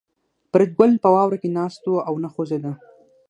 فریدګل په واوره کې ناست و او نه خوځېده